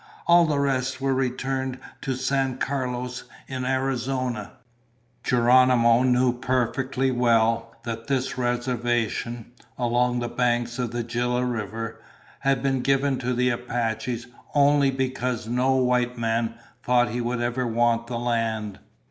All the rest were returned to San Carlos in Arizona. Geronimo knew perfectly well that this reservation, along the banks of the Gila River, had been given to the Apaches only because no white man thought he would ever want the land.